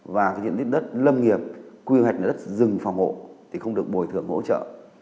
và cái diện tích đất lâm nghiệp quy hoạch đất rừng phòng hộ thì không được bồi thường hỗ trợ